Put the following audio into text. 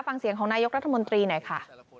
ฟังเสียงของนายกรัฐมนตรีหน่อยค่ะ